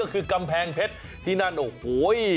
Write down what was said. ก็คือกำแพงเพชรที่นั่นโอ้โห